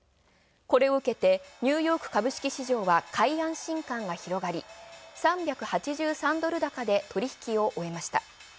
これをうけてニューヨーク株式市場は、３８３ドル高で取り引きを終えました。